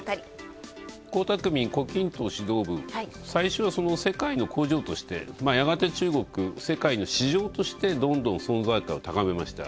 江沢民、胡錦涛指導部、最初は世界の工場として、やがて中国、世界の市場としてどんどん存在感を高めました。